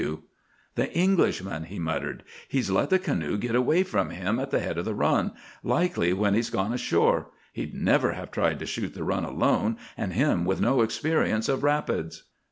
W. "The Englishman," he muttered. "He's let the canoe git away from him at the head of the Run, likely, when he's gone ashore. He'd never have tried to shoot the Run alone, an' him with no experience of rapids."